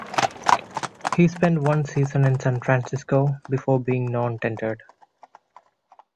He spent one season in San Francisco before being non-tendered.